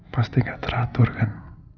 pasti gak teratur kan